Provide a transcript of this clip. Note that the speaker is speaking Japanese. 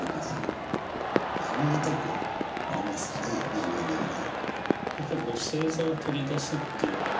人間にはね。